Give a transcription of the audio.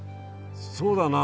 そうだな。